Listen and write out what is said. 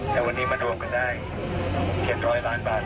แต่วันนี้มารวมกันได้๗๐๐ล้านบาท